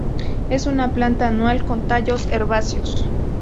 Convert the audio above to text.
Es una planta anual con tallos herbáceos.